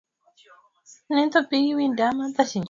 mama mjamzito anatakiwa kuepukana na malaria